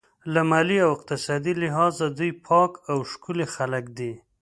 له مالي او اقتصادي لحاظه دوی پاک او ښکلي خلک دي.